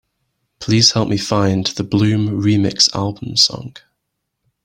Please help me find the Bloom: Remix Album song.